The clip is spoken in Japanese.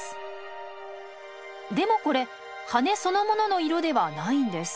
でもこれ羽そのものの色ではないんです。